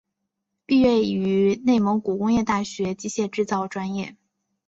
毕业于内蒙古工业大学机械制造专业。